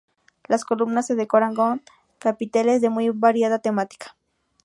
Las columnas se decoran con capiteles de muy variada temática.